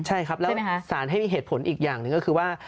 ใช่ครับแล้วสารให้มีเหตุผลอีกอย่างหนึ่งก็คือว่า